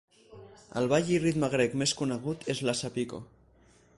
El ball i ritme grec més conegut és l'hasàpiko.